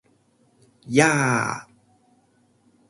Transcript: やー！！！